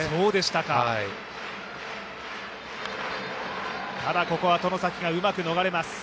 ただ、ここは外崎がうまく逃れます。